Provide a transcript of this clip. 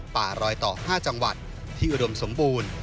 ป่ารอยต่อ๕จังหวัดที่อุดมสมบูรณ์